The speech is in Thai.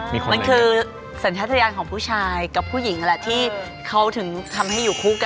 มันคือสัญชาติยานของผู้ชายกับผู้หญิงนั่นแหละที่เขาถึงทำให้อยู่คู่กัน